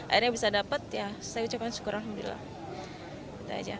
akhirnya bisa dapat ya saya ucapkan syukur alhamdulillah